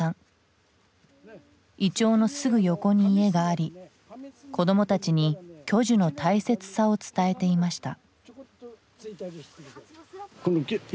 イチョウのすぐ横に家があり子どもたちに巨樹の大切さを伝えていました。